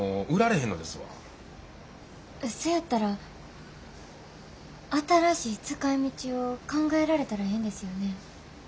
そやったら新しい使いみちを考えられたらええんですよね。